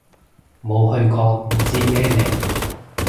冇去過唔知咩嚟